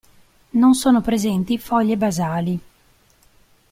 Non sono presenti foglie basali.